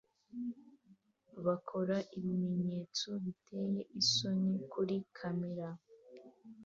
bakora ibimenyetso biteye isoni kuri kamera